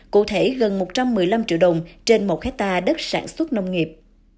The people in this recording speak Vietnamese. cụ thể gần một trăm một mươi năm triệu đồng trên một hectare đất sản xuất nông nghiệp